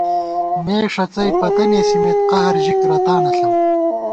مے ݭڅَئ پتہ نېسِمېت قہر ژِک رتانہ ݪَم